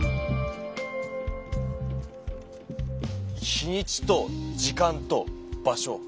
日にちと時間と場所。